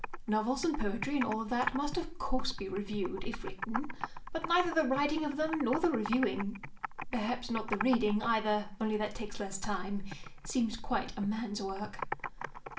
Novels and poetry and all that of course must be reviewed, if written; but neither the writing of them nor the reviewing (perhaps not the reading either, only that takes less time) seems quite a man's work.